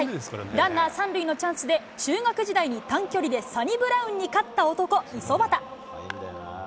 ランナー３塁のチャンスで、中学時代に短距離でサニブラウンに勝った男、五十幡。